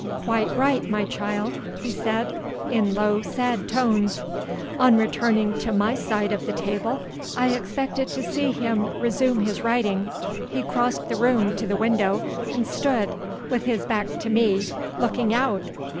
"Quite right, my child," he said, in low sad tones. On returning to my side of the table, I expected to see him resume his writing. He crossed the room to the window and stood (with his back to me) looking out.